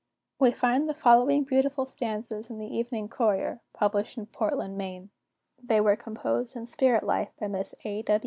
"We find the following beautiful stanzas in the Evening Courier, published in Portland, Me. They were composed in spirit life by Miss A.